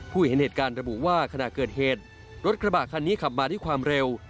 เห็นเหตุการณ์ระบุว่าขณะเกิดเหตุรถกระบะคันนี้ขับมาด้วยความเร็ว